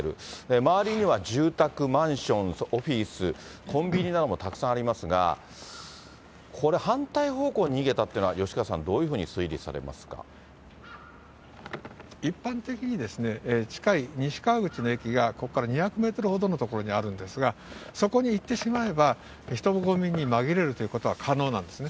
周りには住宅、マンション、オフィス、コンビニなどもたくさんありますが、これ、反対方向に逃げたっていうのは、吉川さん、どういうふ一般的に、近い西川口の駅がここから２００メートルほどの所にあるんですが、そこに行ってしまえば、人混みに紛れるということは可能なんですね。